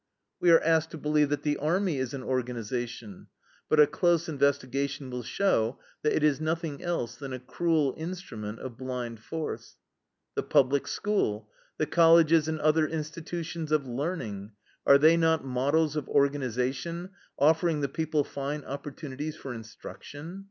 "We are asked to believe that the Army is an organization, but a close investigation will show that it is nothing else than a cruel instrument of blind force. "The Public School! The colleges and other institutions of learning, are they not models of organization, offering the people fine opportunities for instruction?